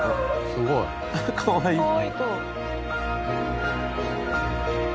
すごい。あっかわいい。